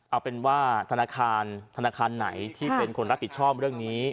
เอาเป็นว่าธนาคารธนาคารไหนที่เป็นคนรับผิดชอบเรื่องนี้